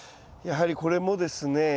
やはりこれもですね